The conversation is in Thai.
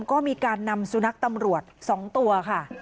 ก็มีการนำสุนัขตำรวจ๒ตัวค่ะ